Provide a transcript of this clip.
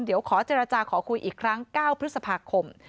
เดี๋ยวขอเจรจาขอคุยอีกครั้ง๙พฤษภาคม